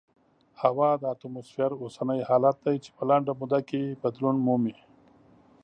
هوا د اتموسفیر اوسنی حالت دی چې په لنډه موده کې بدلون مومي.